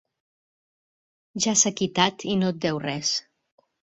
Ja s'ha quitat i no et deu res.